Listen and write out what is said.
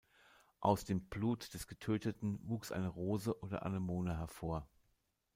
Aus dem Blut des Getöteten wuchs eine Rose oder Anemone hervor.